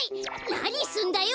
なにすんだよ！